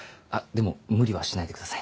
でも無理はしないでくださいね。